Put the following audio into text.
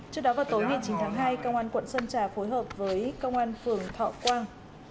trước đó vào tối ngày chín tháng hai công an quận sơn trà phối hợp với công an phường thọ quang